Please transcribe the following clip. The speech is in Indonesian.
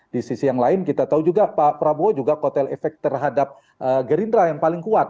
di sisi yang lain kita tahu juga pak prabowo juga kotel efek terhadap gerindra yang paling kuat